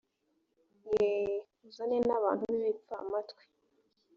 ye uzane n abantu b ibipfamatwi